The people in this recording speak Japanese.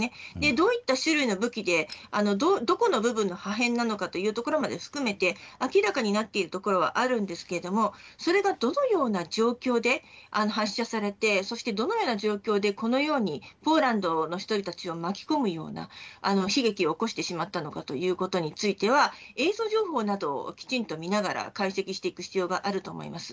どういった種類の武器で、どこの部分の破片なのかというところまで含めて明らかになっているところはあるんですけれどもそれがどのような状況で発射されてどのような状況でこのようにポーランドの人たちを巻き込むような悲劇を起こしてしまったのかということについては映像情報などをしっかり見ながら解析する必要があると思います。